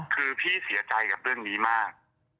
คือพี่เสียใจกับเรื่องนี้มาก